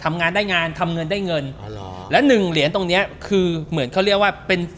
ทำงานได้งานทำเงินได้เงินอ๋อเหรอแล้วหนึ่งเหรียญตรงเนี้ยคือเหมือนเขาเรียกว่าเป็น